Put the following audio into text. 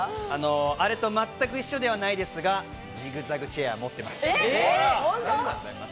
あれと全く一緒ではないですがジグザグチェア持ってます！